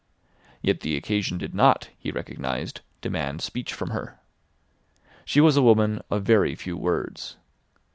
Yet the occasion did not, he recognised, demand speech from her. She was a woman of very few words.